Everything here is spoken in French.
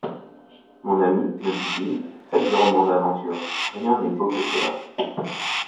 Mon ami, me dit-il, faites du roman d'aventures ; rien n'est beau que cela.